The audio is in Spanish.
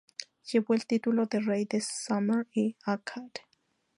Llevó el título de "Rey de Sumer y Akkad".